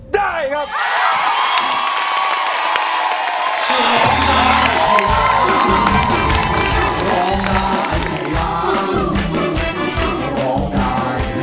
ได้ครับ